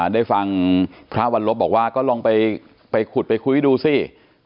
ได้ฟังพระวันลบบอกว่าก็ลองไปขุดไปคุยดูสิ